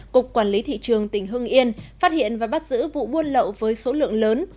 cục quản lý thị trường tỉnh hưng yên phát hiện và bắt giữ vụ buôn lậu với số lượng lớn